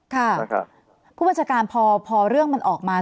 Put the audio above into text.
ผู้บัญชาการพอเรื่องมันออกมา